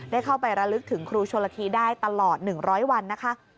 ได้เข้าไประลึกถึงครูชนละทีได้ตลอด๑๐๐วันนะคะ